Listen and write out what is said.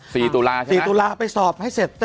ตุลาใช่ไหมสี่ตุลาไปสอบให้เสร็จ